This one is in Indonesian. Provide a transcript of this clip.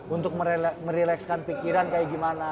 untuk merelekskan pikiran kayak gimana